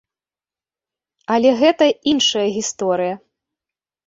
Але гэта іншая гісторыя.